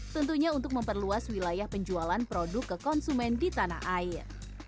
tentunya untuk memperluas wilayah penjualan produk ke konsumen di tanah air